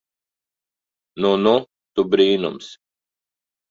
Nu nu tu brīnums.